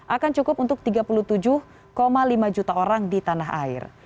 akan cukup untuk tiga puluh tujuh lima juta orang di tanah air